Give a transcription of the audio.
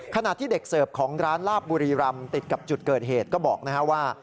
ขณะที่เด็กเสิร์ฟของร้านลาบบุรีรำติดกับจุดเกิดเหตุก็บอกว่า